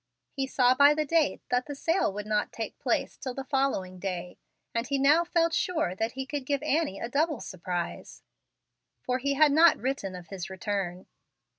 He saw by the date that the sale would not take place till the following day, and he now felt sure that he could give Annie a double surprise, for he had not written of his return.